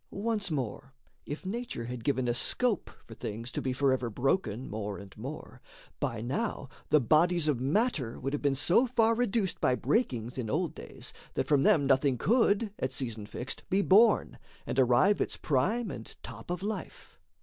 Once more, if nature had given a scope for things To be forever broken more and more, By now the bodies of matter would have been So far reduced by breakings in old days That from them nothing could, at season fixed, Be born, and arrive its prime and top of life.